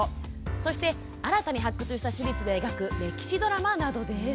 そして、新たに発掘した史実で描く歴史ドラマなどです。